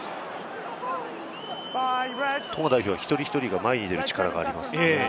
トンガ代表は一人一人が前に出る力がありますね。